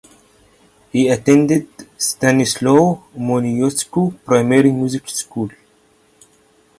He attended Stanislaw Moniuszko Primary Music School.